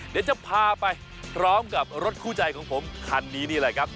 เดี๋ยวจะพาไปพร้อมกับรถคู่ใจของผมคันนี้นี่แหละครับ